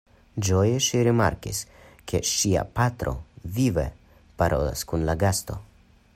Ĝoje ŝi rimarkis, ke ŝia patro vive parolas kun la gasto.